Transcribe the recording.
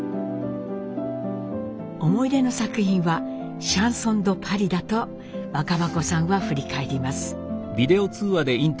思い出の作品は「シャンソン・ド・パリ」だと若葉子さんは振り返ります。